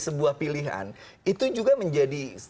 sebuah pilihan itu juga menjadi